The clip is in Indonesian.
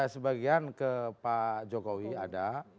sebagian ke pak jokowi ada